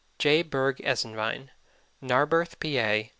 J. BERG ESENWEIN. NARBERTH, PA.